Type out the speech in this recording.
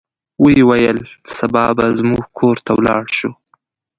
ویې ویل سبا به زموږ کور ته ولاړ شو.